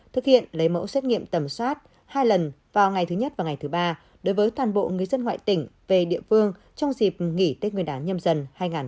thực hiện lấy mẫu xét nghiệm tầm soát hai lần vào ngày thứ nhất và ngày thứ ba đối với toàn bộ người dân ngoại tỉnh về địa phương trong dịp nghỉ tết nguyên đán nhâm dần hai nghìn hai mươi bốn